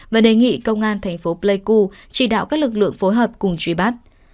và đề nghị công an thành phố pleiku chỉ đạo các lực lượng phối hợp cùng truy bắt